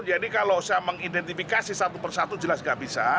jadi kalau saya mengidentifikasi satu persatu jelas nggak bisa